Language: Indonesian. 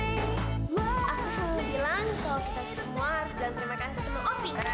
aku dan bo bilang kalo kita semua dan terima kasih semua opini